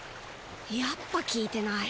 やっぱ聞いてない。